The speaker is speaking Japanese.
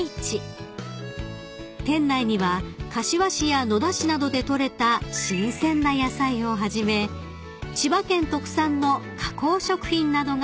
［店内には柏市や野田市などで取れた新鮮な野菜をはじめ千葉県特産の加工食品などが並んでいます］